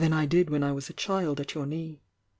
t^ ^hen I was a chUd at your knee.